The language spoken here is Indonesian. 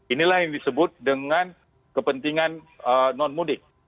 inilah yang disebut dengan kepentingan non mudik